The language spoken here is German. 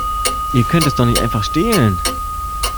Ihr könnt es doch nicht einfach stehlen!